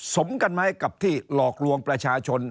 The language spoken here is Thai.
สมกันไหมกับที่หลอกลวงประชาชน